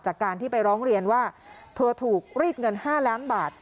จากการที่ไปร้องเรียนว่าเธอถูกรีดเงิน๕ล้านบาท